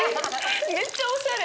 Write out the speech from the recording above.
めっちゃおしゃれ！